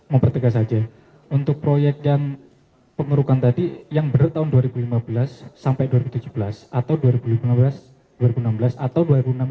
mau pertekan saja untuk proyek dan pengerukan tadi yang bertahun dua ribu lima belas sampai dua ribu tujuh belas atau dua ribu enam belas dua ribu tujuh belas